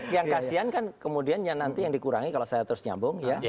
yang kasihan kan kemudian yang nanti yang dikurangi kalau saya terus nyambung ya